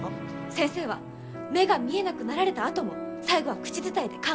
先生は目が見えなくなられたあとも最後は口伝えで完結させたんです！